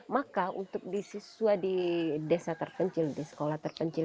maka untuk di siswa di desa terpencil di sekolah terpencil